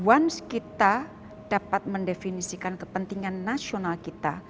once kita dapat mendefinisikan kepentingan nasional kita